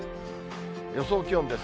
予想気温です。